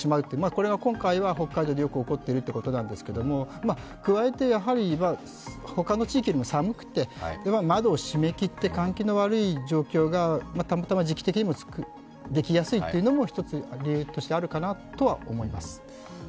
これが今回は北海道でよく起こっているということなんですが加えて、やはり他の地域より寒くて窓を閉め切って換気の悪い状況が、たまたま時期的にもできやすいというのも１つ理由としてあるかなとは思います。